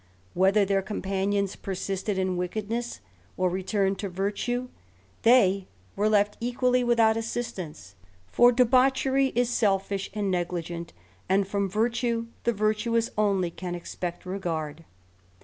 Whether their companions persisted in wickedness^ ot returned to virtue, they were left equally without assistance ; for debauchery is selfish and negligent, and from virtue the virtuous only can expect regard.